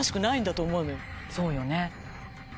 そうよね。